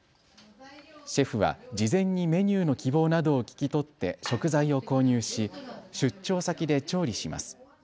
シェフは事前にメニューの希望などを聞き取って食材を購入し出張先で調理します。